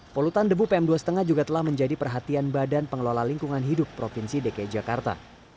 polutan debu pm dua lima juga telah menjadi perhatian badan pengelola lingkungan hidup provinsi dki jakarta